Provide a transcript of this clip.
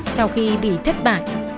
sau khi bị thất bại